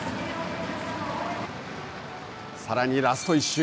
さらにラスト１周。